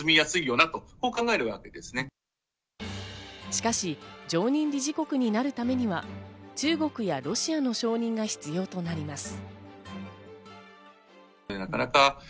しかし、常任理事国になるためには、中国やロシアの承認が必要となります。